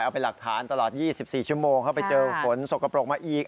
เอาเป็นหลักฐานตลอด๒๔ชั่วโมงเข้าไปเจอฝนสกปรกมาอีก